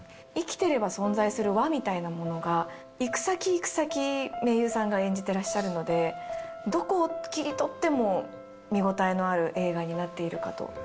存在する輪みたいなものが、行く先、行く先、名優さんが演じていらっしゃるので、どこを切り取っても、見応えのある映画にな